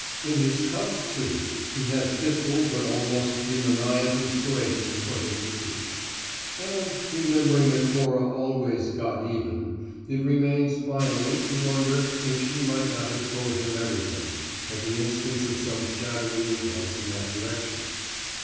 In his cups, too, he had fitful but almost demoniac inspirations for hidden truth. And, remembering that Cora always "got even," it remains finally to wonder if she might not have told him everything at the instance of some shadowy impulse in that direction.